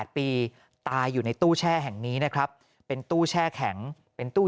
ตายอยู่ในตู้แช่แห่งนี้นะครับเป็นตู้แช่แข็งเป็นตู้